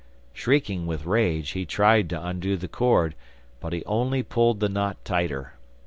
Shrieking with rage, he tried to undo the cord, but he only pulled the knot tighter.